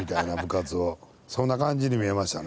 そんな感じに見えましたね。